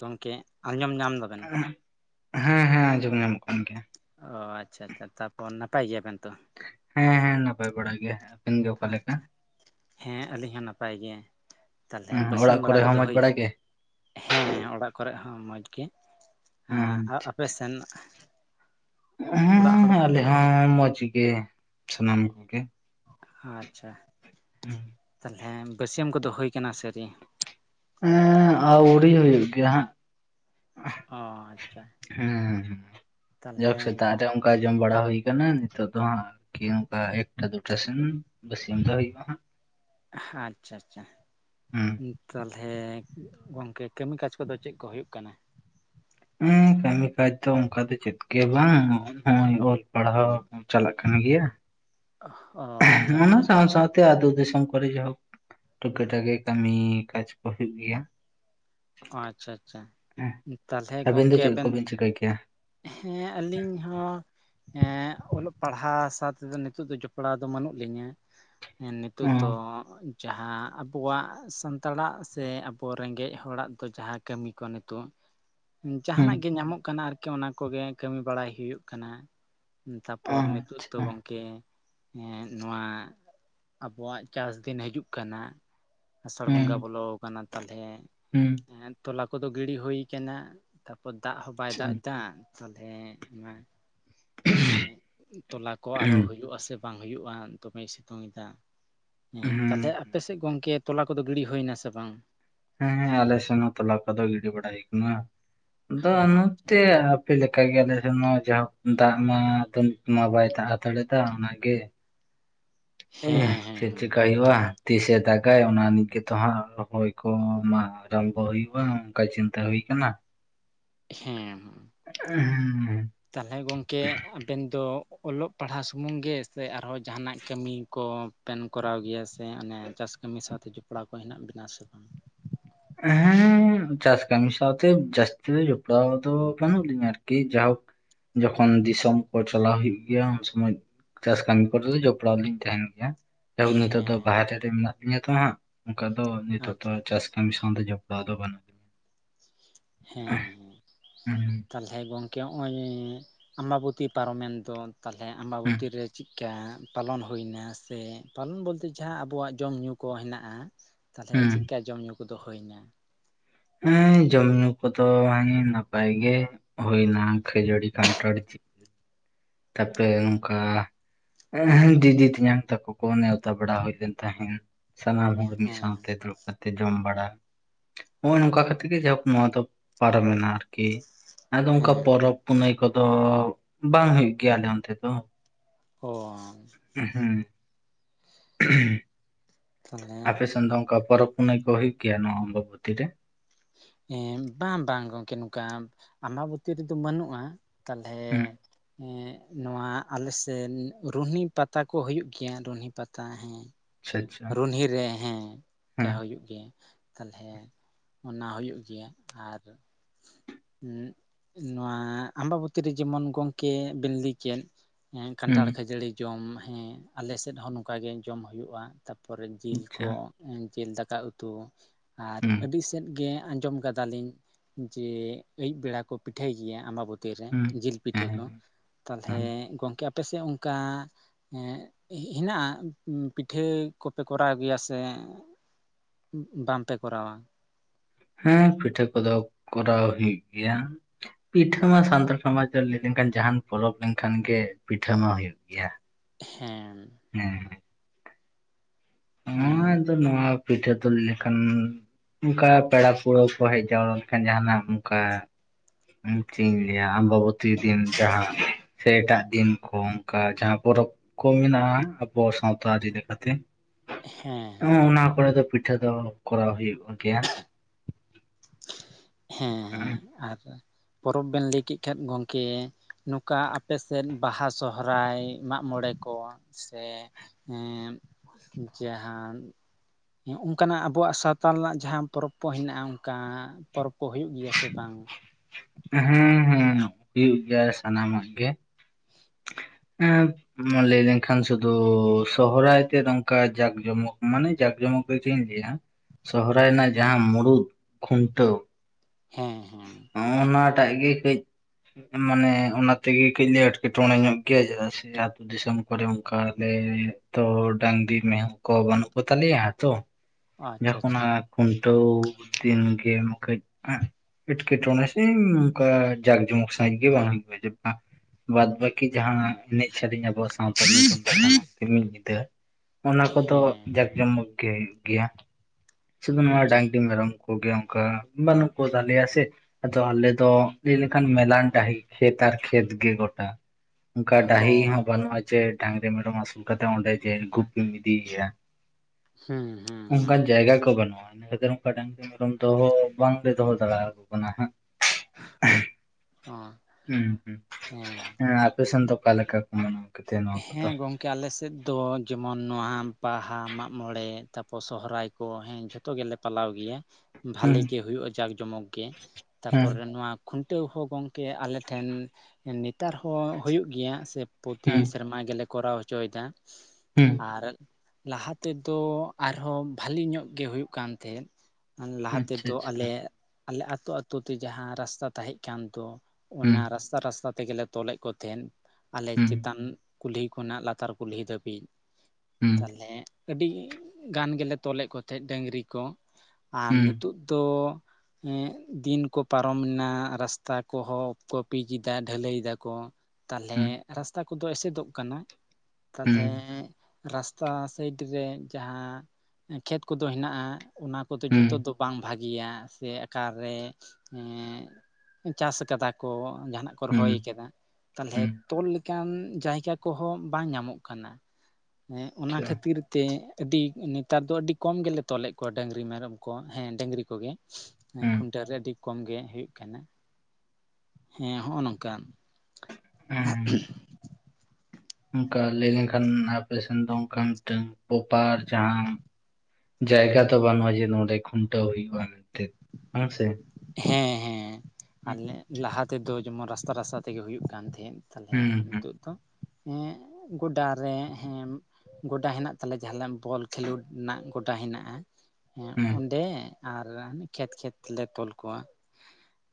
ᱜᱚᱝᱠᱮ ᱟᱸᱡᱚᱢ ᱧᱟᱢ ᱫᱟᱢ᱾ ᱦᱮᱸ ᱦᱮᱸ ᱟᱸᱡᱚᱢ ᱧᱟᱢᱚᱜ ᱠᱟᱱ ᱜᱮᱭᱟ᱾ ᱚᱻ ᱟᱪᱪᱷᱟ-ᱟᱪᱪᱷᱟ ᱛᱟᱯᱚᱨᱮ ᱱᱟᱯᱟᱭ ᱜᱮᱭᱟᱵᱮᱱ ᱛᱚ᱾ ᱦᱮᱸ ᱱᱟᱯᱟᱭ ᱵᱟᱲᱟ ᱜᱮ ᱦᱮᱸ᱾ ᱟᱪᱪᱷᱟ ᱦᱮᱸ ᱟᱹᱞᱤᱧ ᱦᱚᱸ ᱱᱟᱯᱟᱭ ᱜᱮ᱾ ᱛᱟᱦᱚᱞᱮ ᱦᱮᱸ ᱵᱟᱹᱥᱭᱢ ᱚᱲᱟᱜ ᱠᱚᱨᱮ ᱵᱟᱲᱟ ᱠᱚ ᱦᱚᱸ ᱫᱚ ᱢᱚᱸᱡᱽ ᱦᱩᱭ ᱵᱟᱲᱟ ᱮᱱᱟ᱾ ᱜᱮ? ᱦᱮᱸ ᱚᱲᱟᱜ ᱠᱚᱨᱮᱜ ᱦᱚᱸ ᱢᱚᱡᱽ ᱜᱮ, ᱦᱮᱸ ᱟ ᱟᱯᱮ ᱥᱮᱱ ᱚᱲᱟᱜ ᱦᱮᱸ ᱦᱚᱲ ᱟᱞᱮ ᱦᱚᱸ ᱢᱚᱡᱽ ᱜᱮ ᱥᱟᱱᱟᱢ ᱠᱚᱜᱮ᱾ ᱟᱪᱪᱷᱟ ᱛᱟᱦᱚᱞᱮ ᱵᱟᱹᱥᱭᱟᱹᱢ ᱠᱚᱫᱚ ᱦᱩᱭ ᱠᱟᱱᱟ ᱥᱟᱹᱨᱤ? ᱦᱩᱸ ᱟᱣᱨᱤ ᱦᱩᱭᱩᱜ ᱜᱮᱭᱟ ᱾ ᱚᱸ ᱟᱪᱪᱷᱟ᱾ ᱦᱩᱸ - ᱦᱩᱸ ᱛᱟᱦᱚᱞᱮ ᱡᱚᱵ ᱥᱮᱛᱟᱼᱜ ᱠᱚ ᱠᱚᱨᱮ ᱚᱸᱠᱟ ᱠᱟ ᱡᱚᱢ ᱵᱟᱲᱟ ᱦᱩᱭ ᱟᱠᱟᱱᱟ, ᱱᱤᱛᱚᱜ ᱫᱚ ᱦᱟᱜ ᱠᱤ ᱚᱝᱠᱟ ᱮᱠᱴᱟ ᱫᱩᱴᱟ ᱥᱮᱱ ᱵᱟᱹᱥᱭᱟᱢ ᱫᱚ ᱦᱩᱭᱼᱟ ᱦᱟᱜ᱾ ᱟᱪᱪᱷᱟ - ᱟᱪᱪᱷᱟ ᱦᱩᱸ ᱛᱟᱦᱚᱞᱮ ᱜᱚᱝᱠᱮ ᱠᱟᱹᱢᱤ ᱠᱟᱡᱽ ᱠᱚᱼᱫᱚ ᱪᱮᱫ ᱠᱚ ᱦᱩᱭᱩᱜ ᱠᱟᱱᱟ ᱾ ᱦᱩᱸ ᱠᱟᱹᱢᱤ ᱠᱟᱡ ᱫᱚ ᱚᱱᱠᱟ ᱫᱚ ᱪᱮᱫ ᱜᱮ ᱵᱟᱝ, ᱱᱚᱳᱸᱭ ᱚᱞ ᱯᱟᱲᱦᱟᱣ ᱪᱟᱞᱟᱜ ᱠᱟᱱ ᱜᱮᱭᱟ᱾ [unintelligible] ᱚᱱᱟ ᱥᱟᱶ ᱟᱪᱪᱷᱟ - ᱥᱟᱶᱛᱮ ᱟ. ᱛᱩ ᱫᱤᱥᱚᱢ ᱠᱚᱨᱮ ᱡᱷᱚᱜ ᱴᱷᱩᱠᱟᱹ ᱴᱷᱟᱠᱮ ᱠᱟᱹᱢᱤ ᱠᱟᱡ ᱠᱚ ᱦᱩᱭᱩᱜ ᱜᱮᱭᱟ᱾ ᱟᱪᱪᱷᱟ ᱼ ᱟᱪᱪᱷᱟ ᱦᱮᱸ ᱛᱟᱦᱞᱮ ᱟᱵᱤᱱ ᱫᱚ ᱜᱚᱝᱠᱮ ᱪᱮᱫ ᱟᱵᱮᱱ᱾ ᱠᱚᱵᱤᱱ ᱪᱤᱠᱟᱹᱭ ᱜᱮᱭᱟ? ᱦᱮᱸ ᱟᱹᱞᱤᱧ ᱦᱚᱸ ᱦᱮᱸ ᱚᱞᱚᱜ ᱯᱟᱲᱦᱟᱜ ᱥᱟᱶᱛᱮ ᱫᱚ ᱱᱤᱛᱚᱜ ᱫᱚ ᱡᱚᱯᱲᱟᱣ ᱫᱚ ᱵᱟᱹᱱᱩᱜ ᱞᱤᱧᱟ᱾ ᱦᱮᱸ ᱱᱤᱛᱳ ᱚ ᱫᱚ ᱡᱟᱦᱟᱸ ᱟᱵᱚᱣᱟᱜ ᱥᱟᱱᱛᱟᱲᱟ-ᱜ ᱥᱮ ᱟᱵᱚ ᱨᱮᱸᱜᱮᱡ ᱦᱚᱲᱟᱜ ᱛᱚ ᱡᱟᱦᱟᱸ ᱠᱟᱹᱢᱤ ᱠᱚ ᱱᱤᱛᱚᱜ ᱦᱩᱸ ᱡᱟᱦᱟᱱᱟᱼᱜ ᱜᱮ ᱧᱟᱢᱚᱜ ᱠᱟᱱᱟ ᱟᱨᱠ ᱚᱱᱟ ᱠᱚᱜᱮ ᱠᱟᱹᱢᱤ ᱵᱟᱲᱟᱭ ᱦᱩᱭᱩᱜ ᱠᱟᱱᱟ᱾ ᱛᱟᱨᱯᱚᱨ ᱱᱤᱛᱚᱜ ᱫᱚᱚ ᱟᱪᱪᱷᱟ ᱜᱚᱝᱠᱮ ᱮᱸ ᱱᱚᱣᱟ ᱟᱵᱚᱣᱟᱜ ᱪᱟᱥ ᱫᱤᱱ ᱦᱤᱡᱩᱜ ᱠᱟᱱᱟ᱾ ᱟᱥᱟᱲ ᱵᱚᱸᱜᱟ ᱦᱩᱸ ᱵᱚᱞᱚ ᱠᱟᱱᱟ᱾ ᱛᱟᱞᱚᱞᱮ ᱦᱩᱸ ᱦᱮ ᱛᱚᱞᱟ ᱠᱚᱫᱚ ᱜᱤᱲᱤ ᱦᱩᱭ ᱠᱟᱱᱟ, ᱛᱟᱯᱚᱨ ᱫᱟᱜ ᱦᱚᱸ ᱵᱟᱭ ᱟᱪᱪᱷᱟ ᱫᱟᱜ ᱮᱫᱟ᱾ ᱥᱚᱞᱦᱮ ᱢᱟ ᱛᱚᱞᱟ ᱠᱚ ᱦᱩᱸ ᱟᱨᱦᱚᱸ ᱦᱩᱭᱩᱜ ᱟᱥᱮ ᱵᱟᱝ ᱦᱩᱭᱩᱜᱼᱟ᱾ ᱫᱚᱢᱮ ᱥᱤᱛᱩᱝ ᱮᱫᱟ᱾ ᱦᱮᱸ ᱦᱩᱸ ᱛᱟᱦᱞᱮ ᱟᱯᱮ ᱥᱮᱫ ᱜᱚᱝᱠᱮ ᱛᱚᱞᱟ ᱠᱚᱫᱚ ᱜᱤᱰᱤ ᱦᱩᱭᱮᱱᱟ ᱥᱮ ᱵᱟᱝ? ᱦᱮᱸ ᱟᱞᱮ ᱥᱮᱱ ᱦᱚᱸ ᱛᱚᱞᱟ ᱠᱚᱫᱚ ᱜᱤᱰᱤ ᱵᱟᱲᱟ ᱦᱩᱭ ᱠᱟᱱᱟ ᱾ ᱟᱫᱚ ᱚ ᱟᱪᱪᱷᱟ ᱱᱚᱛᱮ ᱟᱯᱮᱞᱮᱠᱟ ᱜᱮ ᱟᱞᱮ ᱥᱮ ᱢᱟ ᱡᱟᱦᱳᱠ ᱫᱟᱜ ᱢᱟ ᱛᱩᱫ ᱢᱟ ᱵᱟᱭ ᱫᱟᱜ ᱦᱟᱛᱟᱲᱟ ᱚᱱᱟᱜᱮ ᱦᱮ ᱸ ᱦᱮᱸ ᱦᱮᱸ [unintelligible] ᱪᱤᱠᱟᱹᱭ ᱦᱩᱭᱩᱜᱼᱟ ᱛᱤᱥᱮ ᱫᱟᱜᱟᱭ ᱚᱱᱟ ᱱᱤᱡ ᱜᱮᱛᱚ ᱦᱟᱸᱜ ᱨᱚᱦᱚᱭ ᱠᱚ ᱟᱨᱟᱢᱵᱚ ᱦᱩᱭᱩᱜᱼᱟ᱾ ᱚᱱᱠᱟ ᱪᱤᱱᱛᱟᱹ ᱦᱩᱭ ᱟᱠᱟᱱᱟ᱾ ᱦᱮᱸ [unintelligible] ᱛᱟᱦᱚᱞᱮ ᱜᱚᱢᱠᱮ ᱟᱵᱮᱱ ᱫᱚ ᱚᱞᱚᱜ ᱯᱟᱲᱦᱟᱣ ᱥᱩᱢᱩᱝ ᱜᱮ ᱥᱮ ᱟᱨᱦᱚᱸ ᱡᱟᱦᱟᱱᱟᱜ ᱠᱟᱹᱢᱤ ᱠᱚᱵᱮᱱ ᱠᱚᱨᱟᱣ ᱜᱮᱭᱟ ᱥᱮ ᱥᱮ ᱚᱱᱮ ᱪᱟᱥ ᱠᱟᱹᱢᱤ ᱥᱟᱶᱛᱮ ᱡᱚᱯᱲᱟᱣ ᱠᱚ ᱦᱮᱱᱟᱜ ᱵᱮᱤᱱᱟ ᱥᱮ ᱵᱟᱝ? [unintelligible] ᱪᱟᱥ ᱠᱟᱹᱢᱤ ᱥᱟᱶᱛᱮ ᱡᱟᱹᱥᱛᱤ ᱫᱚ ᱡᱚᱯᱲᱟᱣ ᱫᱚ ᱵᱟᱹᱱᱩᱜ ᱞᱤᱧᱟ ᱟᱨᱠᱤ, ᱡᱟᱭᱦᱳᱠ ᱡᱚᱠᱷᱚᱱ ᱫᱤᱥᱚᱢ ᱠᱚ ᱪᱟᱞᱟᱣ ᱦᱩᱭᱩᱜ ᱜᱮᱭᱟ ᱩᱱ ᱥᱚᱢᱚᱭ ᱪᱟᱥ ᱠᱟᱹᱢᱤ ᱠᱚᱨᱮ ᱫᱚ ᱡᱚᱯᱲᱟᱣ ᱞᱤᱧ ᱛᱟᱦᱮᱱ ᱜᱮᱭᱟ᱾ ᱡᱟᱭᱦᱳᱠ ᱱᱤᱛᱚᱜ ᱫᱚ ᱦᱮᱸ ᱵᱟᱨᱮ ᱨᱮ ᱢᱮᱱᱟᱜ ᱞᱤᱧᱟ ᱛᱚ ᱦᱟᱸᱜ ᱚᱱᱠᱟ ᱫᱚ ᱱᱤᱛᱚᱜ ᱫᱚ ᱟᱪᱪᱷᱟ ᱟᱪᱪᱷᱟ ᱪᱟᱥ ᱠᱟᱢᱤ ᱥᱟᱶᱛᱮ ᱡᱚᱯᱲᱟᱣ ᱫᱚ ᱵᱟᱹᱱᱩᱜ ᱞᱤᱧᱟ ᱾ ᱦᱮᱸ ᱦᱩᱸ ᱛᱟᱦᱚᱞᱮ ᱜᱚᱢᱠᱮ ᱱᱚᱜᱼᱚᱭ ᱟᱢᱵᱟᱵᱩᱛᱤ ᱯᱟᱨᱚᱢᱮᱱ ᱫᱚ ᱛᱟᱦᱚᱞᱮ ᱦᱩᱸ ᱟᱢᱵᱟᱵᱚᱛᱤᱨᱮ ᱪᱮᱫ ᱪᱠᱟ ᱯᱟᱞᱚᱱ ᱦᱩᱭᱱᱟ ᱥᱮ ᱯᱟᱞᱚᱱ ᱵᱚᱞᱛᱮ ᱡᱟᱦᱟᱸ ᱟᱵᱚᱣᱟᱜ ᱡᱚᱢᱼᱧᱩ ᱠᱚ ᱦᱮᱱᱟᱜᱼᱟ, ᱛᱟᱦᱚᱞᱮ ᱦᱩᱸ ᱪᱮᱫᱠᱟ ᱡᱚᱢ ᱧᱩᱩ ᱠᱚ ᱫᱚᱦᱚᱭᱱᱟ? ᱦᱮᱸ ᱡᱚᱢ ᱧᱩᱩ ᱠᱚᱫᱚ ᱱᱟᱯᱟᱭ ᱜᱮ ᱦᱩᱭᱱᱟ ᱠᱷᱟᱹᱡᱲᱤ ᱠᱟᱱᱴᱲ ᱛᱟᱯᱨᱮ ᱱᱝᱠᱟ ᱦᱮ ᱫᱤᱫᱤ ᱛᱮᱧᱟᱝ ᱛᱟᱠᱚ ᱠᱚ ᱱᱮᱣᱛᱟ ᱵᱟᱲᱟ ᱦᱩᱭ ᱞᱮᱱ ᱛᱟᱦᱮᱸᱱ, ᱥᱟᱱᱟᱢ ᱦᱚᱲ ᱢᱤᱫ ᱦᱮᱸ ᱥᱟᱶᱛᱮ ᱫᱩᱲᱩᱵ ᱠᱟᱛᱮ ᱡᱚᱢ ᱵᱟᱲᱟ, ᱱᱚ-ᱚᱭ ᱱᱚᱝᱠᱟ ᱠᱟᱛᱮᱜ ᱜᱮ ᱡᱟᱭᱦᱳᱠ ᱱᱚᱣᱟ ᱫᱚ ᱯᱟᱨᱚᱢᱮᱱᱟ ᱟᱨᱠᱤ᱾ ᱟᱫᱚ ᱚᱱᱠᱟ ᱦᱮᱸ ᱯᱚᱨᱚᱵᱽ ᱯᱩᱱᱟᱹᱭ ᱠᱚᱫᱚ ᱵᱟᱝ ᱦᱩᱭᱩᱜ ᱜᱮᱭᱟ ᱟᱞᱮ ᱚᱱᱛᱮ ᱫᱚ᱾ [unintelligible] ᱦᱩᱸ ᱛᱟᱦᱚᱞᱮ ᱟᱯᱮ ᱥᱮᱫᱚ ᱚᱱᱠᱟ ᱯᱚᱨᱵ ᱯᱩᱱᱟᱹᱭ ᱠᱚ ᱦᱩᱭᱩᱜ ᱜᱮᱭᱟ ᱱᱚᱣᱟ ᱚᱢᱵᱚᱵᱚᱛᱤ ᱨᱮ? ᱦᱮᱸ ᱵᱟᱝ ᱵᱟᱝ ᱜᱚᱢᱠᱮ ᱱᱚᱝᱠᱟ ᱟᱢᱢᱟᱵᱚᱛᱤ ᱨᱮᱫᱚ ᱵᱟᱹᱱᱩᱜᱼᱟ᱾ ᱛᱟᱞᱚᱞᱮ ᱦᱮᱸ ᱱᱚᱣᱟ ᱟᱞᱮ ᱥᱮᱫ ᱨᱩᱦᱤ ᱯᱟᱛᱟ ᱠᱚ ᱦᱩᱭᱩᱜ ᱜᱮᱭᱟ ᱨᱩᱦᱤ ᱯᱟᱛᱟ ᱦᱮᱸ, ᱟᱪᱪᱷᱟ ᱟᱪᱪᱷᱟ ᱨᱩᱱᱦᱤ ᱨᱮ ᱦᱮᱸ ᱪᱟ ᱦᱮᱸ ᱦᱩᱭᱩᱜ ᱜᱮᱭᱟ, ᱛᱟᱦᱚᱞᱮ ᱚᱱᱟ ᱦᱩᱭᱩᱜ ᱜᱮᱭᱟ, ᱟᱨ ᱱᱚᱣᱟ ᱟᱢᱵᱟᱵᱚᱛᱤ ᱨᱮ ᱡᱮᱢᱚᱱ ᱜᱚᱝᱠᱮ ᱵᱤᱱᱞᱟᱭᱠᱮ ᱶᱟ ᱠᱮᱫ ᱦᱮ ᱦᱮᱸ ᱠᱟᱱᱴᱷᱟᱲ ᱠᱷᱟᱹᱡᱟᱹᱲᱤ ᱡᱚᱢ ᱦᱮᱸ ᱟᱞᱮ ᱥᱮᱫ ᱦᱚᱸ ᱱᱚᱝᱠᱟ ᱜᱮ ᱡᱚᱢ ᱦᱩᱭᱩᱜᱼᱟ᱾ [unintelligible] ᱡᱤᱞ ᱟᱪᱪᱷᱟ ᱠᱚ ᱡᱤᱞ ᱫᱟᱠᱟ ᱩᱛᱩ, ᱟᱨ ᱦᱮᱸ ᱟᱹᱰᱤ ᱥᱮᱫ ᱜᱮ ᱟᱸᱡᱚᱢ ᱠᱟᱫᱟ ᱞᱤᱧ ᱡᱮ ᱟᱹᱭᱩᱵ ᱵᱮᱲᱟ ᱠᱚ ᱯᱤᱴᱷᱟᱹᱭ ᱜᱮᱭᱟ ᱟᱵᱟᱵᱚᱛᱤᱨ ᱨᱮ ᱦᱮᱸ ᱡᱤᱞ ᱯᱤᱴᱷᱟᱹ ᱠᱚ᱾ ᱦᱮᱸ ᱛᱟᱦᱞᱮ ᱜᱚᱝᱠᱮ ᱟᱯᱮ ᱥᱮᱫ ᱚᱱᱠᱟ ᱦᱮᱱᱟᱜᱼᱟ ᱯᱤᱴᱷᱟᱹ ᱠᱚ ᱯᱮ ᱠᱚᱨᱟᱣ ᱜᱮᱭᱟ ᱥᱮ ᱵᱟᱝ ᱯᱮ ᱠᱚᱨᱟᱣᱟ? ᱦᱮᱸ ᱯᱤᱴᱷᱟᱹ ᱠᱚᱫᱚ ᱠᱚᱨᱟᱣ ᱦᱩᱭᱩᱜ ᱜᱮᱭᱟ᱾ ᱯᱤᱴᱷᱟᱹ ᱢᱟ ᱥᱟᱱᱛᱟᱲ ᱥᱚᱢᱟᱡ ᱨᱮ ᱞᱟᱹᱭ ᱞᱮᱱ ᱠᱷᱟᱱ ᱡᱟᱦᱟᱱ ᱯᱚᱨᱚᱵᱽ ᱞᱮᱱ ᱠᱷᱟᱱ ᱜᱮ ᱯᱤᱴᱷᱟᱹ ᱢᱟ ᱦᱳᱭᱳᱜ, ᱜᱮᱭᱟ᱾ ᱦᱮᱸ, ᱦᱮᱸ, [unintelligible] ᱱᱚᱣᱟ ᱯᱤᱴᱷᱟᱹ ᱛᱩᱞᱩᱡ ᱞᱮᱠᱷᱟᱱ ᱚᱱᱠᱟ ᱯᱮᱲᱟ ᱯᱟᱹᱲᱦᱟᱹ ᱠᱚ ᱦᱮᱡ ᱡᱟᱣᱨᱟ ᱞᱮᱱ ᱠᱷᱟᱱ ᱡᱟᱦᱱᱟᱜ ᱚᱱᱠᱟ ᱪᱮᱫ ᱤᱧ ᱞᱟᱹᱭᱼᱟ ᱟᱵᱟᱵᱚᱛᱤ ᱫᱤᱱ ᱡᱟᱸᱦᱟ ᱥᱮ ᱮᱴᱟᱜ ᱫᱤᱱ ᱠᱚ ᱚᱱᱠᱟ ᱡᱟᱸᱦᱟ ᱯᱚᱨᱚᱵᱽ ᱠᱚ ᱢᱮᱱᱟᱜᱼᱟ ᱟᱵᱚ ᱥᱟᱶᱛᱟ ᱟᱹᱨᱤ ᱞᱮᱠᱟ ᱛᱮ, ᱦᱮᱸ, ᱦᱮᱸ ᱚᱱᱟ ᱠᱚᱨᱮ ᱫᱚ ᱯᱤᱴᱷᱟᱹ ᱫᱚ ᱠᱚᱨᱟᱣ ᱦᱩᱭᱩᱜ ᱜᱮᱭᱟ᱾ ᱦᱮᱸ ᱦᱮᱸ ᱟᱨ ᱯᱚᱨᱚᱵᱽ ᱵᱮᱱ ᱞᱟᱹᱭ ᱠᱮᱫ ᱠᱷᱟᱱ ᱜᱚᱝᱠᱮ ᱱᱚᱝ ᱠᱟ ᱟᱯ ᱥᱮᱫ ᱵᱟᱦᱟ ᱥᱚᱦᱚᱨᱟᱭ ᱢᱟᱜ ᱢᱚᱬᱮ ᱠᱚ ᱥᱮᱼᱼ ᱦᱮᱸ ᱡᱟᱦᱟᱱ, ᱚᱱᱠᱟ ᱱᱟᱜ ᱟᱵᱚᱣᱟᱜ ᱥᱟᱶᱛᱟ ᱨᱮᱱᱟᱜ ᱡᱟᱦᱟ ᱯᱚᱨᱚᱵᱽ ᱠᱚ ᱦᱮᱱᱟᱜᱼᱟ᱾ ᱚᱱᱠᱟ ᱯᱚᱨᱚᱵᱽ ᱠᱚ ᱦᱳᱭᱳᱜ ᱜᱮᱭᱟ ᱥᱮ ᱵᱟᱝ? ᱦᱮᱸ ᱦᱮᱸ ᱦᱩᱭᱩᱜ ᱜᱮᱭᱟ ᱥᱟᱱᱟᱢ ᱟᱜ ᱜᱮ, ᱮᱸ [inaudible] ᱞᱟᱹᱭ ᱞᱮᱱ ᱠᱷᱟᱱ ᱥᱩᱫᱷᱩ ᱥᱚᱦᱚᱨᱟᱭ ᱛᱮ ᱱᱚᱝᱠᱟ ᱡᱟᱸᱠ ᱡᱚᱢᱚᱠ ᱢᱟᱱᱮ ᱡᱟᱸᱠ ᱡᱚᱢᱚᱠᱼᱼ ᱪᱮᱫ ᱤᱧ ᱞᱟᱹᱭᱼᱟ ᱥᱚᱦᱚᱨᱟᱭ ᱨᱮᱱᱟᱜ ᱦᱮᱸ ᱡᱟᱸᱦᱟ ᱢᱩᱬᱩᱫ ᱠᱷᱩᱱᱴᱟᱹᱣ ᱦᱮᱸ ᱦᱮᱸ᱾ ᱚᱱᱟ ᱴᱟᱜ ᱜᱮ ᱠᱟᱹᱡ ᱢᱟᱱᱮ ᱚᱱᱟ ᱛᱮ ᱜᱮ ᱠᱟᱹᱡ ᱟᱴᱼᱼ ᱮᱴᱠᱮᱴᱚᱸᱬᱮ ᱧᱚᱜ ᱜᱮᱭᱟ ᱪᱮᱫ ᱟᱜ ᱥᱮ ᱟ ᱟᱹᱛᱳ ᱫᱤᱥᱚᱢ ᱠᱚᱨᱮ ᱚᱱᱠᱟ ᱞᱮ ᱛᱚ ᱰᱟᱝᱨᱤ ᱢᱤᱼᱼ ᱠᱚ ᱵᱟᱹᱱᱩᱜ ᱠᱚ ᱛᱟᱞᱮᱭᱟ ᱛᱚ᱾ ᱟᱪᱪᱷᱟ ᱡᱚᱠᱷᱚ ᱟᱪᱪᱷᱟ ᱱᱟᱜ ᱠᱷᱩᱱᱴᱟᱹᱣ ᱫᱤᱱ ᱜᱮ ᱠᱟᱹᱡᱼᱼ ᱮᱴᱠᱮᱴᱚᱸᱬᱮ ᱥᱮ ᱚᱱᱠᱟ ᱡᱟᱸᱠ ᱡᱚᱢᱚᱠ ᱥᱟᱦᱤᱡ ᱜᱮ ᱵᱟᱝ ᱦᱩᱭᱩᱜᱼᱟᱼᱼ ᱵᱟᱫᱽ ᱵᱟᱹᱠᱤ ᱡᱟᱦᱟ ᱮᱱᱮᱡ ᱥᱮᱨᱮᱧ ᱟᱵᱚ ᱥᱟᱶᱛᱟ [unintelligible] ᱛᱮ ᱢᱤᱫ ᱧᱤᱫᱟᱹ ᱚᱱᱟ ᱠᱚᱫᱚ ᱦᱮᱸ ᱡᱟᱸᱠ ᱡᱚᱢᱚᱠ ᱜᱮ ᱦᱩᱭᱩᱜ ᱜᱮᱭᱟ᱾ ᱥᱩᱫᱩ ᱱᱚᱣᱟ ᱟᱪᱪᱷᱟ ᱰᱟᱝᱰᱤ ᱢᱮᱨᱚᱢ ᱠᱚᱜᱮ ᱚᱱᱠᱟ ᱵᱟᱹᱱᱩᱜ ᱠᱚ ᱛᱟᱞᱮᱭᱟ ᱥᱮᱼᱼ ᱟᱫᱚ ᱟᱞᱮ ᱫᱚ ᱞᱟᱹᱭ ᱞᱮ ᱠᱷᱟᱱ ᱢᱮᱞᱟᱱ ᱰᱟᱹᱦᱤ ᱠᱷᱮᱛ ᱟᱨ ᱠᱷᱮᱛ ᱜᱮ ᱜᱚᱴᱟ᱾ ᱚᱱᱠᱟ ᱰᱟᱹᱦᱤ ᱦᱚᱸ ᱵᱟᱹᱱᱩᱜᱼᱟ ᱡᱮ ᱰᱟᱝᱨᱤ ᱢᱮᱨᱚᱢ ᱟᱹᱥᱩᱞ ᱠᱟᱛᱮ ᱚᱸᱰᱮ ᱡᱮ ᱜᱩᱯᱤᱢ ᱤᱫᱤ ᱭᱟ ᱦᱮᱸ ᱦᱮᱸ᱾ ᱚᱱᱠᱟᱱ ᱡᱟᱭᱜᱟᱼᱼ [unintelligible] ᱵᱟᱹᱱᱩᱜᱼᱟ ᱤᱱᱟᱹ ᱠᱷᱟᱹᱛᱤᱨ ᱚᱱᱠᱟ ᱰᱟᱝᱨᱤ ᱢᱮᱨᱚᱢ ᱫᱚᱦᱚ ᱵᱟᱝ ᱞᱮ ᱫᱚᱦᱚ ᱫᱟᱲᱮ ᱟᱠᱚ ᱠᱟᱱᱟ ᱦᱟᱸᱜ [inaudible] ᱚᱸ ᱦᱩᱸ ᱦᱩᱸ ᱦᱮᱸ ᱟᱯᱮ ᱥᱮᱱ ᱫᱚ ᱚᱠᱟ ᱞᱮᱠᱟ ᱠᱚ ᱢᱟᱱᱟᱣᱟ? ᱦᱮᱸ ᱜᱚᱝᱠᱮᱼᱼ ᱜᱚᱝᱠᱮ ᱟᱞᱮ ᱥᱮᱫ ᱫᱚ ᱡᱮ ᱢᱚᱱ ᱱᱚᱣᱟ ᱵᱟᱦᱟ ᱢᱟᱜ ᱢᱚᱬᱮ ᱛᱟᱯᱚᱨ ᱥᱚᱦᱚᱨᱟᱭ ᱠᱚ ᱦᱮᱸᱼᱼ ᱛᱚ ᱜᱮᱞᱮ ᱯᱟᱞᱟᱣ ᱜᱮᱭᱟ ᱵᱷᱟᱞᱮ ᱦᱩᱸ ᱜᱮ ᱦᱳᱭᱳᱜᱼᱟ ᱡᱟᱸᱠ ᱡᱚᱢᱚᱠ ᱜᱮ ᱦᱩᱸ ᱛᱟᱯᱚᱨᱮ ᱱᱚᱣᱟ, ᱠᱷᱩᱱᱴᱟᱹᱣ ᱦᱚᱸ ᱜᱚᱝᱠᱮ ᱟᱞᱮ ᱴᱷᱮᱱ ᱱᱮᱛᱟᱨ ᱦᱚᱸ ᱦᱳᱭᱳᱜ ᱜᱮᱭᱟ ᱥᱮ ᱯᱚᱼᱼ ᱛᱤ ᱦᱩᱸ ᱥᱮᱨᱢᱟ ᱜᱮ ᱞᱮ ᱠᱚᱨᱟᱣ ᱦᱚᱪᱚᱭ ᱫᱟ, ᱦᱩᱸ᱾ ᱟᱨ ᱞᱟᱦᱟ ᱛᱮᱫᱚ ᱟᱨᱦᱚᱸ ᱵᱟᱹᱞᱤ ᱧᱚᱜ ᱜᱮ ᱦᱩᱭᱩᱜ ᱠᱟᱱ ᱛᱟᱦᱮᱸᱫ ᱞᱟᱦᱟ ᱟᱪᱪᱷᱟ ᱛᱮᱫᱚ ᱟᱪᱪᱷᱟ ᱟᱞᱮ ᱟᱞᱮ ᱟᱹᱛᱳ ᱟᱹᱛᱳ ᱛᱮ ᱡᱟᱸᱦᱟ ᱨᱟᱥ ᱛᱟ ᱛᱟᱦᱮᱸ ᱠᱟᱱ ᱫᱚ, ᱚᱱᱟ ᱦᱩᱸ ᱨᱟᱥᱛᱟ ᱨᱟᱥᱛᱟ ᱛᱮᱜᱮᱞᱮ ᱛᱚᱞᱮᱫ ᱠᱚ ᱛᱟᱦᱮᱸᱫ ᱟᱞᱮ ᱦᱩᱸ ᱪᱮᱼᱼ ᱠᱩᱞᱦᱤ ᱠᱷᱚᱱᱟᱜ ᱞᱟᱛᱟᱨ ᱠᱩᱞᱦᱤ ᱫᱷᱟᱹᱵᱤᱡ ᱦᱩᱸ ᱛᱟᱦᱚᱞᱮᱼᱼ ᱟᱹᱰᱤ ᱜᱟᱱ ᱜᱮᱞᱮ ᱛᱚᱞᱮᱫ ᱠᱚ ᱛᱟᱦᱮᱸᱫ ᱰᱟᱹᱝᱨᱤ ᱠᱚ ᱟᱨ ᱦᱩᱸ ᱱᱤᱛᱚᱜ ᱫᱚ, ᱦᱮᱸ ᱫᱤᱱ ᱠᱚ ᱯᱟᱨᱚᱢᱮᱱᱟ ᱨᱟᱥᱛᱟ ᱠᱚᱦᱚᱸ ᱠᱚ ᱯᱤᱡ ᱮᱫᱟ ᱰᱷᱟᱹᱞᱟᱹᱭ ᱮᱫᱟ ᱠᱚ ᱛᱟᱦᱚᱞᱮ ᱦᱩᱸ ᱨᱟᱥᱛᱟ ᱠᱚᱫᱚ ᱮᱥᱮᱫᱚᱜ ᱠᱟᱱᱟ ᱛᱟᱦᱚᱞᱮᱼᱼ ᱦᱩᱸ ᱨᱟᱥᱛᱟ ᱥᱟᱭᱤᱰ ᱨᱮ ᱡᱟᱦᱟᱸ ᱠᱷᱮᱛ ᱠᱚᱫᱚ ᱦᱮᱱᱟᱜᱼᱟ ᱚᱱᱟ ᱠᱚᱫᱚ ᱦᱩᱸ ᱡᱷᱚᱛᱚ ᱫᱚ ᱵᱟᱝᱼᱼ ᱵᱷᱟᱜᱤᱭᱟ ᱥᱮ ᱚᱠᱟ ᱨᱮ ᱪᱟᱥ ᱟᱠᱟᱫᱟᱼᱼ ᱠᱚ ᱡᱟᱦᱟᱱᱟᱜ ᱠᱚ ᱦᱩᱸ ᱨᱚᱦᱚᱭ ᱟᱠᱟᱫᱟ ᱛᱟᱦᱚᱞᱮ ᱦᱩᱸ ᱛᱚᱞᱼᱼ ᱚᱱᱠᱟᱱ ᱡᱟᱭᱜᱟ ᱠᱚᱦᱚᱸ ᱵᱟᱝ ᱧᱟᱢᱚᱜ ᱠᱟᱱᱟ ᱦᱮᱸ ᱚᱱᱟ ᱟᱪᱪᱷᱟ ᱠᱷᱟᱹᱛᱤᱨᱼᱼ ᱛᱮ ᱟᱹᱰᱤ ᱱᱮᱛᱟᱨ ᱫᱚ ᱟᱹᱰᱤ ᱠᱚᱢ ᱜᱮᱞᱮ ᱛᱚᱞᱮᱫ ᱠᱚᱣᱟ ᱰᱟᱹᱝᱨᱤ ᱢᱮᱨᱚᱢ ᱠᱚ ᱦᱮᱸ ᱰᱟᱹᱝᱨᱤ ᱠᱚᱜᱮᱼᱼ ᱦᱮᱸ ᱦᱩᱸ ᱠᱷᱩᱱᱴᱟᱹᱣ ᱨᱮ ᱟᱹᱰᱤ ᱠᱚᱢ ᱜᱮ ᱦᱩᱭᱩᱜ ᱠᱟᱱᱟ ᱦᱮᱸ ᱦᱚᱜ-ᱚ ᱱᱚᱝᱠᱟ, ᱦᱩᱸ [unintelligible] ᱚᱱᱠᱟ ᱞᱟᱹᱭ ᱞᱮᱱᱠᱷᱟᱱ ᱟᱯᱮ ᱥᱮᱱ ᱫᱚ ᱚᱱᱠᱟ ᱢᱤᱫᱴᱟᱱ ᱯᱚᱯᱟᱨ ᱡᱟᱦᱟᱸ ᱡᱟᱭᱜᱟ ᱫᱚ ᱵᱟᱹᱱᱩᱜᱼᱟ ᱡᱮ ᱱᱚᱰᱮ ᱠᱷᱩᱱᱴᱟᱹᱣ ᱦᱩᱭᱩᱜᱼᱟ ᱢᱮᱱᱛᱮ ᱵᱟᱝ ᱥᱮ? ᱦᱮᱸ ᱦᱮᱸ ᱦᱩᱸ ᱟᱞᱮ ᱞᱟᱦᱟ ᱛᱮᱫᱚ ᱡᱮᱢᱚᱱ ᱨᱟᱥᱛᱟ ᱨᱟᱥᱛᱟ ᱛᱮᱜᱮ ᱦᱩᱭᱩᱜ ᱠᱟᱱ ᱛᱟᱦᱮᱸᱫ᱾ ᱛᱟᱦᱞᱮ ᱦᱩᱸ ᱱᱤᱛᱚᱜ ᱫᱚ ᱦᱮᱸ ᱜᱚᱰᱟ ᱨᱮ ᱦᱮᱸᱼᱼ ᱜᱚᱰᱟ ᱦᱮᱱᱟᱜ ᱛᱟᱞᱮ ᱭᱟ ᱡᱟᱦᱟᱸ ᱵᱚᱞ ᱠᱷᱮᱞᱳᱰ ᱨᱮᱱᱟᱜ ᱜᱚᱰᱟ ᱦᱮᱱᱟᱜ-ᱟ᱾ ᱦᱮᱸ ᱦᱩᱸ ᱚᱸᱰᱮ ᱟᱨ ᱠᱷᱮᱛ ᱠᱷᱮᱛ ᱛᱮ ᱞᱮ ᱛᱚᱞ ᱠᱚᱣᱟ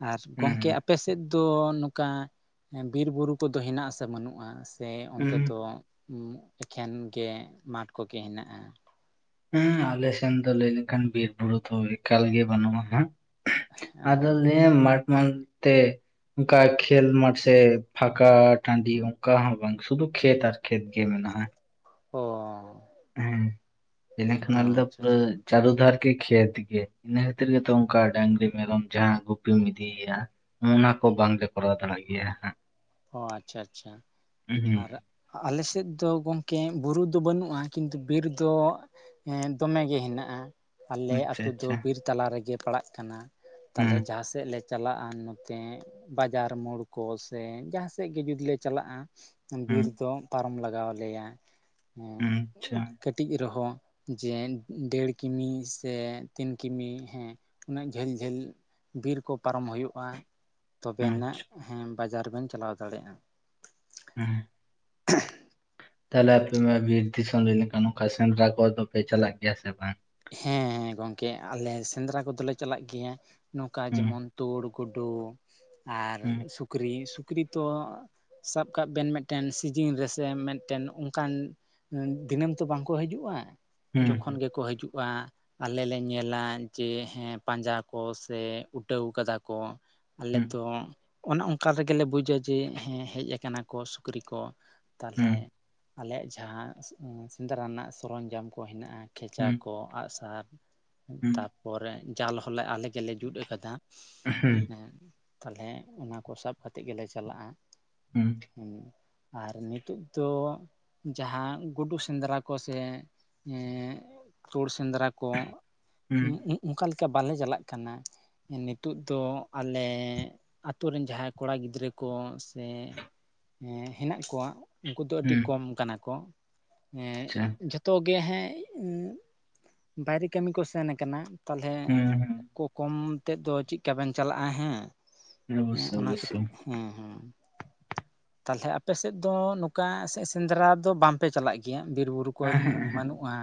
ᱟᱨ ᱜᱚᱝᱠᱮ ᱦᱩᱸ ᱟᱯᱮ ᱥᱮᱫ ᱫᱚ ᱱᱚᱝ ᱠᱟ ᱵᱤᱨ ᱵᱩᱨᱩ ᱠᱚ ᱫᱚ ᱦᱮᱱᱟᱜ-ᱟ ᱥᱮ ᱵᱟᱹᱱᱩᱜ-ᱟ᱾ ᱥᱮ ᱚᱱᱛᱮ ᱦᱩᱸ ᱫᱚ ᱮᱠᱷᱮᱱ ᱜᱮ ᱢᱟᱴᱷ ᱠᱚ ᱜᱮ ᱦᱮᱱᱟᱜ-ᱟ᱾ ᱦᱮᱸ ᱟᱞᱮ ᱥᱮᱱ ᱫᱚ ᱞᱟᱹᱭ ᱞᱮ ᱠᱷᱟᱱ ᱵᱤᱨ ᱵᱩᱨᱩ ᱫᱚ ᱮᱠᱟᱞ ᱜᱮ ᱵᱟᱹᱱᱩᱜ-ᱟ ᱦᱟᱸᱜ ᱟᱫᱚ ᱞᱟᱹᱭ ᱟᱢ ᱢᱟᱴᱷ ᱢᱟᱴᱷ ᱛᱮ ᱚᱱᱠᱟ ᱠᱷᱮᱞ ᱢᱟᱴ ᱥᱮ ᱯᱷᱟᱠᱟ ᱴᱟᱹᱰᱤ ᱚᱱᱠᱟ ᱦᱚᱸ ᱵᱟᱝ ᱥᱩᱫᱷᱩ ᱠᱷᱮᱛ ᱟᱨ ᱠᱷᱮᱛ ᱜᱮ ᱢᱮᱱᱟᱜ-ᱟ᱾ ᱚ ᱦᱮᱸ ᱠᱷᱟᱱ ᱚ ᱟᱞᱮ ᱫᱚ ᱟᱪᱪᱷᱟ ᱯᱩᱨᱟᱹ ᱟᱪᱪᱷᱟ ᱪᱟᱨᱤ ᱫᱷᱟᱨ ᱜᱮ ᱠᱷᱮᱛ ᱜᱮ ᱤᱱᱟᱹ ᱠᱷᱟᱹᱛᱤᱨ ᱜᱮ ᱛᱚ ᱚᱱᱠᱟ ᱰᱟᱹᱝᱨᱤ ᱢᱮᱨᱚᱢ ᱡᱟᱦᱟᱸ ᱜᱩᱯᱤᱢ ᱤᱫᱤᱮᱭᱟ ᱚᱱᱟ ᱠᱚ ᱵᱟᱝ ᱞᱮ ᱠᱚᱨᱟᱣ ᱫᱟᱲᱮ ᱭᱟᱜ ᱜᱮᱭᱟ ᱦᱟᱸᱜ ᱚ ᱟᱪᱪᱷᱟ ᱟᱪᱪᱷᱟ ᱟᱨ ᱦᱩᱸ ᱟᱞᱮ ᱥᱮᱫ ᱫᱚ ᱜᱚᱝᱠᱮ ᱵᱩᱨᱩ ᱫᱚ ᱵᱟᱹᱱᱩᱜ-ᱟ ᱠᱤᱱᱛᱩ ᱵᱤᱨ ᱫᱚ ᱦᱮᱸ ᱫᱚᱢᱮ ᱜᱮ ᱦᱮᱱᱟᱜ-ᱟ᱾ ᱟᱞᱮ ᱟᱪᱪᱷᱟ ᱟᱛᱳ ᱫᱚ ᱟᱪᱪᱷᱟ ᱵᱤᱨ ᱛᱟᱞᱟ ᱨᱮ ᱜᱮ ᱯᱟᱲᱟᱜ ᱠᱟᱱᱟ ᱦᱩᱸ ᱛᱟᱦᱞᱮ ᱡᱟᱦᱟᱸ ᱥᱮᱫ ᱞᱮ ᱪᱟᱞᱟᱜ-ᱟ ᱱᱚ ᱛᱮ ᱵᱟᱡᱟᱨ ᱢᱳᱲ ᱠᱚ ᱥᱮ ᱡᱟᱦᱟᱸ ᱥᱮᱫ ᱜᱮ ᱡᱩᱫᱤ ᱞᱮ ᱪᱟᱞᱟᱜ-ᱟ᱾ ᱦᱩᱸ ᱵᱤᱨ ᱫᱚ ᱯᱟᱨᱚᱢ ᱞᱟᱜᱟᱣ ᱟᱞᱮ ᱭᱟ ᱦᱮᱸ ᱦᱩᱸ ᱟᱪᱪᱷᱟ ᱠᱟᱹᱴᱤᱡ ᱠᱟᱹᱴᱤᱡ ᱨᱮ ᱦᱚᱸ ᱡᱮ ᱰᱮᱲ ᱠᱤᱢᱤ ᱥᱮ ᱛᱤᱱ ᱠᱤᱢᱤ ᱦᱮᱸ ᱩᱱᱟᱹᱜ ᱡᱷᱟᱹᱞ ᱡᱷᱟᱹᱞ ᱵᱤᱨ ᱠᱚ ᱯᱟᱨᱚᱢ ᱦᱩᱭᱩᱜ-ᱟ᱾ ᱛᱚᱵᱮ ᱭᱮ ᱱᱟᱜ ᱟᱪᱪᱷᱟ ᱦᱮᱸ ᱵᱟᱡᱟᱨ ᱵᱮᱱ ᱪᱟᱞᱟᱣ ᱫᱟᱲᱮᱭᱟᱜ-ᱟ᱾ ᱦᱮᱸ ᱛᱟᱦᱞᱮ ᱟᱯᱮ ᱢᱟ ᱵᱤᱨ ᱫᱤᱥᱚᱢ ᱞᱟᱹᱭ ᱞᱮ ᱠᱷᱟᱱ ᱱᱚᱝᱠᱟ ᱥᱮᱸᱫᱽᱨᱟ ᱠᱚ ᱫᱚ ᱯᱮ ᱪᱟᱞᱟᱜ ᱜᱮᱭᱟ ᱥᱮ ᱵᱟᱝ? ᱦᱮᱸ ᱜᱚᱝᱠᱮ ᱟᱞᱮ ᱥᱮᱸᱫᱽᱨᱟ ᱠᱚᱫᱚ ᱞᱮ ᱪᱟᱞᱟᱜ ᱜᱮ ᱭᱟ ᱱᱚᱝ ᱠᱟ ᱡᱮᱢᱚᱱ ᱚᱵᱚᱥᱥᱳᱭ ᱛᱩᱲ ᱜᱩᱰᱩ, ᱟᱨ ᱥᱩᱠᱨᱤ, ᱥᱩᱠᱨᱤ ᱛᱚ ᱥᱟᱵ ᱠᱟᱜ ᱵᱮᱱ ᱢᱤᱫ ᱴᱮᱱ ᱥᱤᱡᱤᱱ ᱨᱮ ᱥᱮ ᱢᱤᱫ ᱴᱮᱱ ᱚᱱᱠᱟᱱ ᱫᱤᱱᱟᱹᱢ ᱛᱚ ᱵᱟᱝ ᱠᱚ ᱦᱤᱡᱩᱜ-ᱟ ᱡᱚ ᱠᱷᱚᱱ ᱚᱵᱚᱥᱥᱳᱭ ᱜᱮ ᱠᱚ ᱦᱤᱡᱩᱜ-ᱟ᱾ ᱟᱞᱮ ᱞᱮ ᱧᱮᱞᱟ ᱡᱮ ᱦᱮᱸ ᱯᱟᱸᱡᱟ ᱠᱚ ᱥᱮ ᱩᱴᱟᱹᱣ ᱟᱠᱟᱫᱟ ᱠᱚ ᱟᱞᱮ ᱫᱚ ᱚᱱᱮ ᱚᱱᱠᱟ ᱨᱮ ᱜᱮ ᱞᱮ ᱵᱩᱡᱟ ᱡᱮ ᱦᱮᱸ ᱦᱮᱡ ᱟᱠᱟᱱᱟ ᱠᱚ ᱥᱩᱠᱨᱤ ᱠᱚ ᱛᱟᱦᱞᱮ ᱟᱞᱮ ᱭᱟᱜ ᱡᱟᱦᱟᱸ ᱥᱮᱸᱫᱽᱨᱟ ᱨᱮᱱᱟᱜ ᱥᱚᱨᱚᱢ ᱡᱟᱢ ᱠᱚ ᱦᱮᱱᱟᱜ-ᱟ ᱠᱷᱮᱸᱪᱟ ᱠᱚ ᱟᱜ-ᱥᱟᱨ, ᱛᱟᱨ ᱯᱚᱨᱮ ᱡᱟᱞ ᱦᱚᱸᱞᱮ ᱟᱞᱮ ᱜᱮ ᱞᱮ ᱡᱩᱛ ᱟᱠᱟᱫᱟ᱾ ᱦᱩᱸ ᱦᱮᱸ ᱛᱟᱦᱞᱮ ᱚᱱᱟ ᱠᱚ ᱥᱟᱵ ᱠᱟᱛᱮ ᱜᱮ ᱞᱮ ᱪᱟᱞᱟᱜ-ᱟ᱾ ᱦᱩᱸ ᱟᱨ ᱱᱤᱛᱳᱜ ᱫᱚ ᱡᱟᱦᱟᱸ ᱜᱩ ᱰᱩ ᱥᱮᱸᱫᱽᱨᱟ ᱠᱚ ᱥᱮ ᱮᱻ ᱛᱩᱲ ᱥᱮᱸᱫᱽᱨᱟ ᱠᱚ ᱚᱝᱠᱟ ᱞᱮᱠᱟ ᱵᱟᱞᱮ ᱪᱟᱞᱟᱜ ᱠᱟᱱᱟ᱾ ᱱᱤᱛᱚᱜ ᱫᱚ ᱟᱞᱮ ᱟᱛᱳ ᱨᱮᱱ ᱡᱟᱦᱟᱸᱭ ᱠᱚ ᱲᱟ ᱜᱤᱫᱽᱨᱟᱹ ᱠᱚ ᱥᱮ ᱮᱸ ᱦᱮᱱᱟᱜ ᱠᱚᱣᱟ᱾ ᱩᱝᱠᱩ ᱫᱚ ᱟᱹᱰᱤ ᱠᱚᱢ ᱠᱟᱱᱟ ᱠᱚ ᱡᱷᱚ ᱛᱚ ᱜᱮ ᱦᱮᱸ ᱵᱟᱭ ᱨᱮ ᱠᱟᱹᱢᱤ ᱠᱚ ᱥᱮᱱ ᱟᱠᱟᱱᱟ ᱛᱟᱞ ᱦᱮ ᱠᱚ ᱠᱚᱢ ᱮᱛᱮᱫ ᱫᱚ ᱪᱤᱜᱠᱟ ᱵᱮᱱ ᱪᱟᱞᱟᱜ-ᱟ ᱦᱮᱸ ᱚᱱᱟ ᱠᱷᱟᱹᱛ ᱦᱮᱸ ᱦᱮᱸ ᱛᱟᱞᱦᱮ ᱟᱯᱮ ᱥᱮᱫ ᱫᱚ ᱱᱚᱠᱟ ᱥᱮᱸᱫᱽᱨᱟ ᱫᱚ ᱵᱟᱢ ᱯᱮ ᱪᱟᱞᱟᱜ ᱜᱮᱭᱟ ᱵᱤᱨ ᱵᱩᱨᱩ ᱠᱚᱡ ᱵᱟᱹᱱᱩᱜ-ᱟ᱾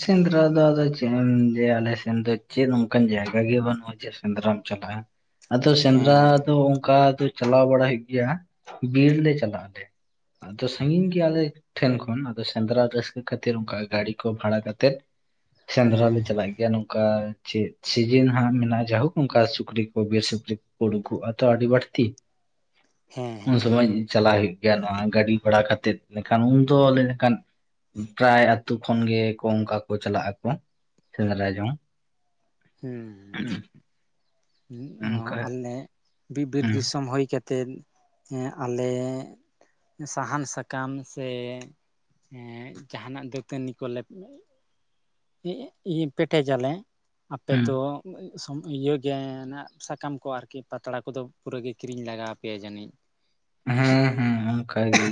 ᱥᱸᱫᱩᱨᱟ ᱫᱚ ᱟᱫᱚ ᱛᱮᱦᱮᱱ ᱡᱮ ᱟᱞᱮ ᱥᱮᱱ ᱫᱚ ᱪᱮᱫ ᱚᱝᱠᱟᱱ ᱡᱟᱭᱜᱟ ᱜᱮ ᱵᱟᱱᱩᱜ-ᱟ ᱪᱮᱫ ᱥᱮᱸᱫᱽᱨᱟᱢ ᱪᱟᱞᱟᱜ-ᱟ ᱟᱫᱚ ᱥᱮᱸᱫᱽᱨᱟ ᱦᱮᱸ ᱫᱚ ᱚᱝᱠᱟ ᱫᱚ ᱪᱟᱞᱟᱣ ᱵᱟᱲᱟ ᱦᱩᱭᱩᱜ ᱜᱮᱭᱟ ᱵᱤᱨ ᱞᱮ ᱪᱟᱞᱟᱜ ᱟᱞᱮ ᱟᱫᱚ ᱥᱟᱹᱜᱤᱧ ᱜᱮᱭᱟ ᱟᱞᱮ ᱴᱷᱮᱱ ᱠᱷᱚᱱ ᱟᱫᱚ ᱥᱮᱸᱫᱽᱨᱟ ᱨᱟᱹᱥᱠᱟᱹ ᱠᱷᱟᱹᱛᱤᱨ ᱚᱝᱠᱟ ᱜᱟᱹᱲᱤ ᱠᱚ ᱵᱷᱟᱲᱟ ᱠᱟᱛᱮᱫ ᱥᱮᱸᱫᱽᱨᱟ ᱦᱮᱸ ᱞᱮ ᱦᱮᱸ ᱪᱟᱞᱟᱜ ᱜᱮᱭᱟ ᱱᱚ ᱱᱚᱠᱟ ᱪᱮᱫ ᱥᱤᱡᱤᱱ ᱦᱟᱸᱜ ᱢᱮᱱᱟᱜ-ᱟ ᱡᱟᱭᱦᱳᱠ ᱚᱝᱠᱟ ᱥᱩᱠᱨᱤ ᱠᱚ ᱵᱤᱨ ᱥᱩᱠᱨᱤ ᱠᱚ ᱠᱚ ᱩᱰᱩᱠᱜ-ᱟ ᱛᱚ ᱟᱹᱰᱤ ᱵᱟᱲᱛᱤ ᱦᱮᱸ ᱩᱱ ᱦᱮᱸ ᱥᱚᱢᱚᱭ ᱪᱟᱞᱟᱜ ᱦᱩᱭᱩᱜ ᱜᱮᱭᱟ ᱱᱚᱣᱟ ᱜᱟᱹᱰᱤ ᱵᱷᱟᱲᱟ ᱠᱟᱛᱮᱫ ᱱᱮ ᱠᱷᱟᱱ ᱩᱱ ᱫᱚ ᱞᱮ ᱞᱮᱠᱟᱱ ᱯᱨᱟᱭ ᱟᱹᱛᱩᱼᱼ ᱠᱷᱚᱱ ᱜᱮ ᱠᱚ ᱚᱝᱠᱟ ᱠᱚ ᱪᱟᱞᱟᱜ ᱟᱠᱚ ᱥᱮᱸᱫᱽᱨᱟ ᱡᱚᱝᱼᱼ ᱦᱩᱸ ᱦᱩᱸ ᱱᱚᱣᱟ ᱚᱱᱠᱟ ᱟᱞᱮ ᱵᱤ ᱵᱤᱨ ᱦᱩᱸ ᱫᱤᱥᱚᱢ ᱦᱩᱭ ᱠᱟᱼᱼ ᱛᱮᱫ ᱟᱞᱮᱼᱼ ᱥᱟᱦᱟᱱ ᱥᱟᱠᱟᱢ ᱥᱮ ᱡᱟᱦᱟᱱᱟᱜ ᱫᱟᱹᱛᱟᱹᱱᱤ ᱠᱚ ᱞᱮᱼᱼ [unintelligible] ᱯᱮᱴᱮᱡᱟᱞᱮ ᱟᱯᱮ ᱦᱩᱸ ᱫᱚᱼᱼ [unintelligible] ᱥᱚᱢ ᱤᱭᱟᱹ ᱜᱮ ᱱᱟᱜ ᱥᱟᱠᱟᱢ ᱠᱚ ᱟᱨᱠᱤ ᱯᱟᱛᱲᱟ ᱠᱚᱫᱚ ᱯᱩᱨᱟᱹ ᱜᱮ ᱠᱤᱨᱤᱧ ᱞᱟᱜᱟᱣ ᱯᱮᱭᱟ ᱡᱟᱹᱱᱤᱡ ᱦᱮᱸ ᱦᱮᱸ ᱚᱝᱠᱟ ᱜᱮ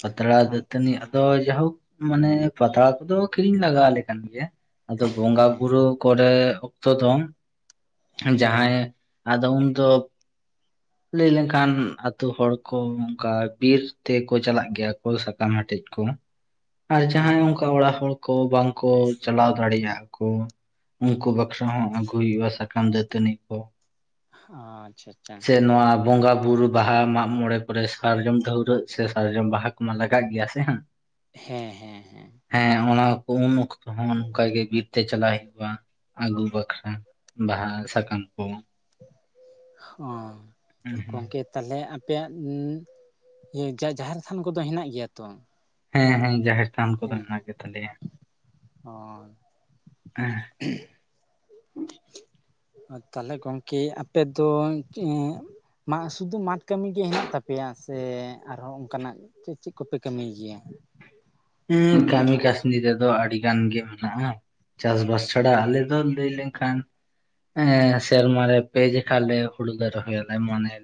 ᱯᱟᱛᱲᱟ ᱟᱨ ᱫᱟᱹᱛᱟᱹᱱᱤᱼᱼ ᱟᱫᱚ ᱡᱟᱦᱳᱠ ᱢᱟᱱᱮ ᱯᱟᱛᱲᱟ ᱠᱚᱫᱚ ᱠᱤᱨᱤᱧ ᱞᱟᱜᱟᱣ ᱟᱞᱮ ᱠᱟᱱ ᱜᱮᱭᱟ ᱟᱫᱚ ᱵᱚᱸᱜᱟ ᱦᱮᱸ ᱵᱩᱨᱩᱼᱼ ᱠᱚ ᱨᱮ ᱚᱠᱛᱚ ᱫᱚ ᱦᱮᱸ ᱡᱟᱦᱟᱸᱭ ᱟᱫᱚ ᱩᱱ ᱫᱚᱼᱼ ᱞᱟᱹᱭ ᱞᱮᱱ ᱠᱷᱟᱱ ᱟᱛᱳ ᱦᱚᱲ ᱠᱚ ᱚᱝᱠᱟ ᱵᱤᱨ ᱛᱮ ᱠᱚ ᱪᱟᱞᱟᱜ ᱜᱮᱭᱟ ᱠᱚ ᱥᱟᱠᱟᱢ ᱦᱟᱴᱮᱡ ᱠᱚᱼᱼ ᱟᱨ ᱡᱟᱦᱟᱸᱭ ᱦᱚᱸ ᱚᱝᱠᱟ ᱚᱲᱟᱜ ᱦᱚᱲ ᱠᱚ ᱵᱟᱝ ᱠᱚ ᱪᱟᱞᱟᱣ ᱫᱟᱲᱮ ᱭᱟᱜ ᱠᱚ ᱩᱱᱠᱩ ᱵᱟᱠᱷᱨᱟ ᱦᱚᱸ ᱟᱹᱜᱩᱭ ᱦᱩᱭᱩᱜ-ᱟ ᱥᱟᱠᱟᱢ ᱫᱟᱹᱛᱟᱹᱱᱤ ᱠᱚ ᱟᱪᱪᱷᱟ ᱟᱪᱪᱷᱟ ᱥᱮ ᱱᱚᱣᱟ ᱵᱚᱸᱜᱟ ᱵᱩᱨᱩᱼᱼ ᱵᱟᱦᱟ ᱢᱟᱜ ᱢᱚᱬᱮ ᱠᱚ ᱨᱮ ᱥᱟᱨᱡᱚᱢ ᱰᱷᱟᱹᱣᱨᱟᱹᱜ ᱥᱮ ᱥᱟᱨᱡᱚᱢ ᱵᱟᱦᱟ ᱠᱚᱢᱟ ᱞᱟᱜᱟᱜ ᱜᱮᱭᱟ ᱥᱮ ᱦᱟᱸᱜᱼᱼ ᱦᱮᱸ ᱦᱮᱸ ᱦᱮᱸ ᱦᱮᱸ ᱚᱱᱟ ᱠᱚ ᱩᱱ ᱚᱠᱛᱚ ᱦᱚᱸ ᱱᱚᱝᱠᱟ ᱜᱮ ᱵᱤᱨ ᱛᱮ ᱪᱟᱞᱟᱜ ᱦᱩᱭᱩᱜ-ᱟ ᱟᱹᱜᱩ ᱵᱟᱠᱷᱨᱟ ᱵᱟᱦᱟ ᱥᱟᱠᱟᱢ ᱠᱚᱼᱼ ᱚ ᱜᱚᱝᱠᱮ ᱛᱟᱞᱦᱮ ᱟᱯᱮᱭᱟᱜ ᱡᱟ ᱡᱟᱦᱮᱨ ᱛᱷᱟᱱ ᱠᱚ ᱫᱚ ᱦᱮᱱᱟᱜ ᱜᱮᱭᱟ ᱛᱚᱼᱼ ᱦᱮᱸ ᱦᱮᱸ ᱡᱟᱦᱮᱨ ᱛᱷᱟᱱ ᱠᱚ ᱫᱚ ᱦᱮᱱᱟᱜ ᱜᱮᱛᱟ ᱞᱮᱭᱟ ᱚᱸᱻ [unintelligible] [unintelligible] [unintelligible] ᱛᱟᱦᱞᱮ ᱜᱚᱝᱠᱮ ᱟᱯᱮ ᱫᱚ [unintelligible] ᱢᱟ ᱥᱩᱫᱩ ᱢᱟᱴ ᱠᱟᱹᱢᱤ ᱜᱮ ᱦᱮᱱᱟᱜ ᱛᱟᱯᱮᱭᱟ ᱥᱮ ᱟᱨ ᱦᱚᱸ ᱚᱝᱠᱟ ᱱᱟᱜᱼᱼ ᱪᱮᱫ ᱪᱮᱫ ᱠᱚ ᱯᱮ ᱠᱟᱹᱢᱤᱭ ᱜᱮᱭᱟ? ᱩᱸ ᱠᱟᱹᱢᱤ ᱠᱟᱹᱥᱱᱤ ᱨᱮ ᱫᱚ ᱟᱹᱰᱤ ᱜᱟᱱ ᱜᱮ ᱢᱮᱱᱟᱜ-ᱟ ᱪᱟᱥ ᱵᱟᱥ ᱪᱷᱟᱲᱟ ᱟᱞᱮ ᱫᱚ ᱞᱟᱹᱭ ᱞᱮᱝ ᱠᱷᱟᱱᱼᱼ ᱮᱸ ᱥᱮᱨᱢᱟ ᱨᱮ ᱯᱮ ᱡᱮᱠᱷᱟ ᱞᱮ ᱦᱩᱲᱩ ᱞᱮ ᱨᱚᱦᱚ ᱭᱟᱞᱮ ᱢᱟᱱᱮᱼᱼ